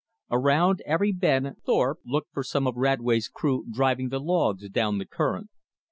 Around every bend Thorpe looked for some of Radway's crew "driving" the logs down the current.